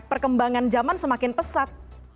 perkembangan zaman semakin pesat